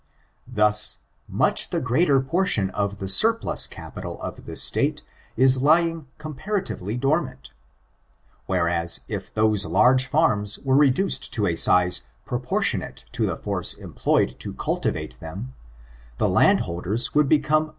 Thus, much tiie greater portion of the surplus capital of the State is lying comparatively dormant ; whereas, if those large forms were reduced to a size proportionate to the force em ployed to cultivate them, the landholders would become I OK ABOLinOlVISM.